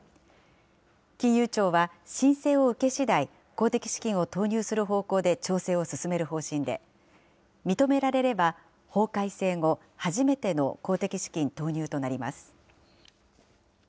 金融庁は、申請を受けしだい、公的資金を投入する方向で調整を進める方針で、認められれば、法改正後、初めての公的資金投入となります。